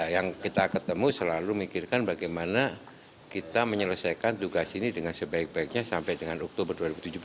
yang kita ketemu selalu mikirkan bagaimana kita menyelesaikan tugas ini dengan sebaik baiknya sampai dengan oktober dua ribu tujuh belas